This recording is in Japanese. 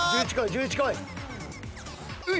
１１こい！